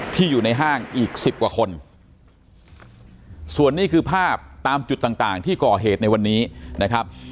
อยู่ในห้างอีกสิบกว่าคนส่วนนี้คือภาพตามจุดต่างต่างที่ก่อเหตุในวันนี้นะครับ